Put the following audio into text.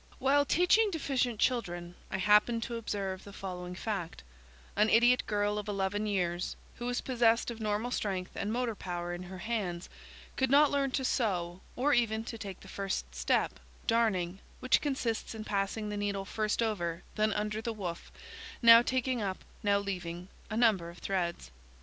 While teaching deficient children I happened to observe the following fact: An idiot girl of eleven years, who was possessed of normal strength and motor power in her hands, could not learn to sew, or even to take the first step, darning, which consists in passing the needle first over, then under the woof, now taking up, now leaving, a number of threads.